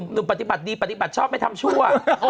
หนุ่มปฏิบัติดีปฏิบัติชอบไม่ได้ทำชั่ว